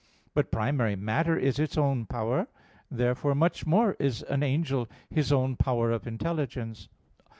But primary matter is its own power. Therefore much more is an angel his own power of intelligence.